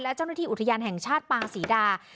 และเจ้าหน้าที่อุทยานแห่งชาติปางศรีดา